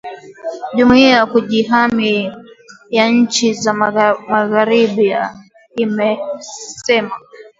jumuia ya kujihami ya nchi za magharibi imesema